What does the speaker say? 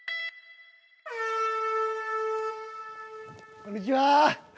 こんにちは。